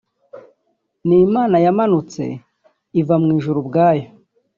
ni Imana yamanutse iva mu ijuru ubwayo